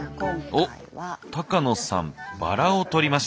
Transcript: おっ高野さんバラを取りました。